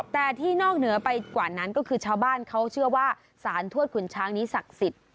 แต่ที่นอกเหนือไปกว่านั้นก็คือชาวบ้านเขาเชื่อว่าสารทวดขุนช้างนี้ศักดิ์สิทธิ์